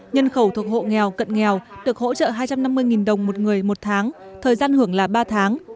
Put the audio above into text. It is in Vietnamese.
nhân khẩu thuộc hộ nghèo cận nghèo được hỗ trợ hai trăm năm mươi đồng một người một tháng thời gian hưởng là ba tháng